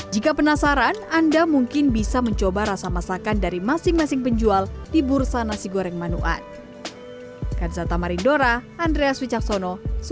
jika penasaran anda mungkin bisa mencoba rasa masakan dari masing masing penjual di bursa nasi goreng manuan